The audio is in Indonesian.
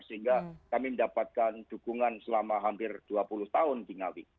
sehingga kami mendapatkan dukungan selama hampir dua puluh tahun di ngawi